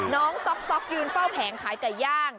น้องต๊อกกิวนฟรองแผงขายจดย่าง